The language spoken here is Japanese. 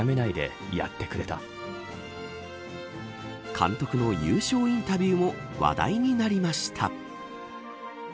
監督の優勝インタビューも話題になりました。